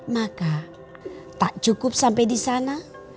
maka tak cukup sampai di sana